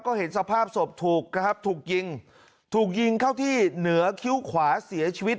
ก็เห็นสภาพศพถูกถูกยิงเข้าที่เหนือคิ้วขวาเสียชีวิต